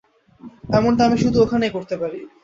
এমনটা আমি শুধু ওখানেই করতে পারি।